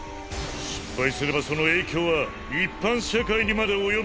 失敗すればその影響は一般社会にまで及ぶ。